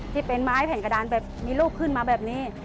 ที่เป็นไม้แผ่นกระดานแบบมีลูกขึ้นมาแบบนี้